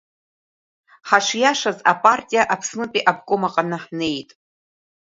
Ҳашиашаз апартиа Аԥснытәи абком аҟны ҳнеит.